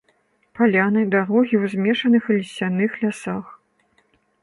Паляны, дарогі ў змешаных і лісцяных лясах.